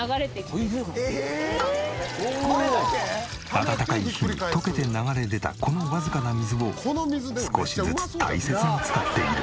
暖かい日に溶けて流れ出たこのわずかな水を少しずつ大切に使っている。